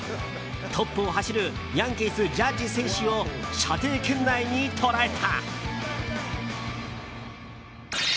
トップを走るヤンキースジャッジ選手を射程圏内に捉えた。